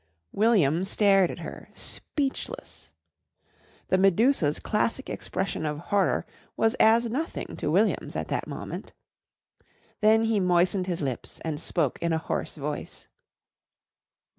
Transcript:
William stared at her, speechless. The Medusa's classic expression of horror was as nothing to William's at that moment. Then he moistened his lips and spoke in a hoarse voice.